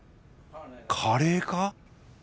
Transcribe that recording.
カレーか？